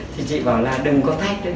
thì chị bảo là đừng có thách